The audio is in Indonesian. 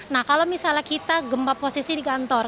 nah kalau misalnya kita gempa posisi di kantor